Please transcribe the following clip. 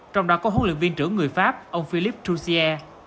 trong đó có huấn luyện viên trưởng người pháp ông philippe jouzier